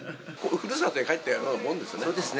ふるさとへ帰ったようなもんですね。